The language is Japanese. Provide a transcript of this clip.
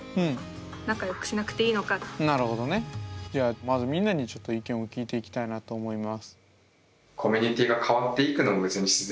まずみんなに意見を聞いていきたいなと思います。